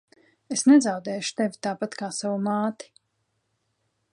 Es nezaudēšu tevi tāpat kā savu māti.